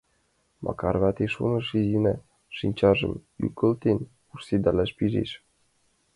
Макар вате шоныш: Изина, шинчажым йӱлыктен, вурседалаш пижеш.